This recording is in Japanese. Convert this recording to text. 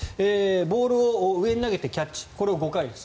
ボールを上に投げてキャッチこれを５回です。